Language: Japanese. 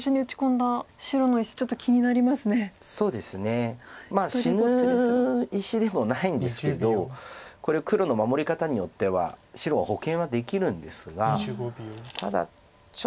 まあ死ぬ石でもないんですけど。これ黒の守り方によっては白は保険はできるんですがただちょっと。